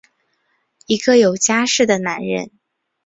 一个有家室的男人！